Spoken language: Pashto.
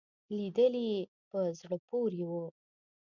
لیدلې په زړه پورې وو.